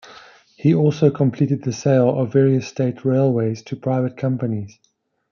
He also completed the sale of various state railways to private companies.